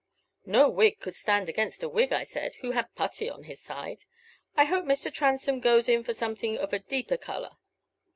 No Whig could stand against a Whig,' I said, 'who had Putty on his side: I hope Mr. Transome goes in for something of a deeper color.'